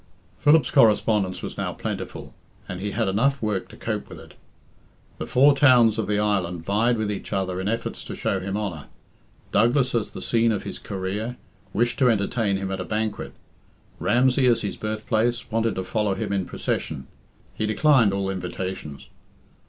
Philip's correspondence was now plentiful, and he had enough work to cope with it The four towns of the island vied with each other in efforts to show him honour. Douglas, as the scene of his career, wished to entertain him at a banquet; Ramsey, as his birthplace, wanted to follow him in procession. He declined all invitations.